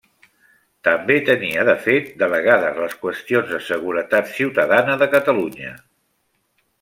També tenia de fet delegades les qüestions de seguretat ciutadana de Catalunya.